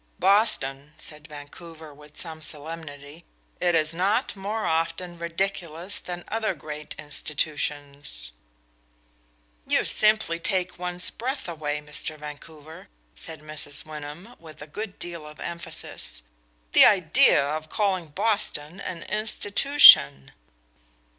"Boston," said Vancouver with some solemnity. "It is not more often ridiculous than other great institutions." "You simply take one's breath away, Mr. Vancouver," said Mrs. Wyndham, with a good deal of emphasis. "The idea of calling Boston 'an institution!'"